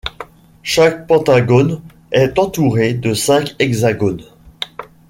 Chaque pentagone est entouré de cinq hexagones.